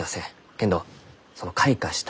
けんどその開花した